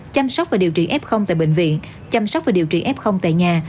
chăm sóc và điều trị f tại bệnh viện chăm sóc và điều trị f tại nhà